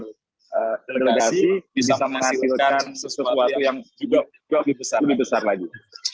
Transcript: delegasi bisa menghasilkan sesuatu yang lebih besar lagi